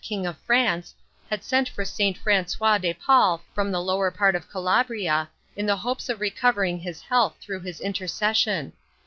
king of France, had sent for Saint Francois de Paule from the lower part of Calabria, in the hopes of recovering his health through his intercession.